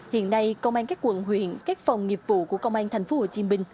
hiện nay công an các quận huyện các phòng nghiệp vụ của công an thành phố hồ chí minh